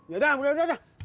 yaudah udah udah